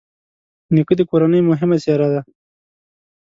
نیکه د کورنۍ مهمه څېره ده.